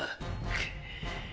くっ。